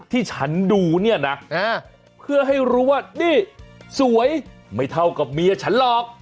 ที่ฉันดูเนี่ยนะเพื่อให้รู้ว่านี่สวยไม่เท่ากับเมียฉันหรอก